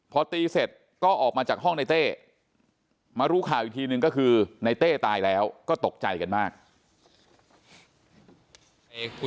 พอตีเสร็จก็ออกมาจากห้องในเต้มารู้ข่าวอีกทีนึงก็คือในเต้ตายแล้วก็ตกใจกันมาก